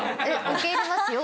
受け入れますよ